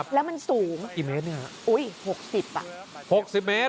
แล้วมันสูงสี่เมตรเนี่ยอุ้ยหกสิบหกสิบเมตร